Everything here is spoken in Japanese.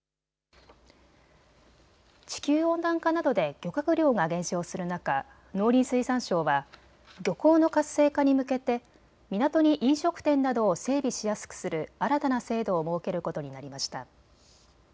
地球温暖化などで漁獲量が減少する中、農林水産省は漁港の活性化に向けて港に飲食店などを整備しやすくする新たな制度を設けることになりました。